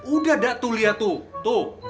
udah da tuh liat tuh tuh